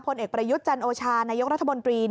ผลเอกประยุทธ์จันโอชานายกรัฐมนตรี